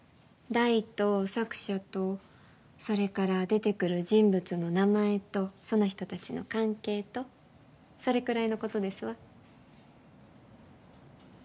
題と作者とそれから出て来る人物の名前とその人たちの関係とそれくらいのことですわ。